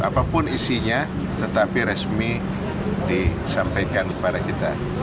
apapun isinya tetapi resmi disampaikan kepada kita